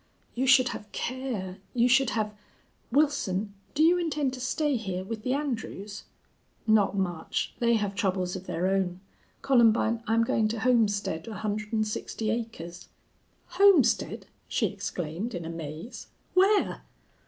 "You should have care. You should have.... Wilson, do you intend to stay here with the Andrews?" "Not much. They have troubles of their own. Columbine, I'm going to homestead one hundred and sixty acres." "Homestead!" she exclaimed, in amaze. "Where?"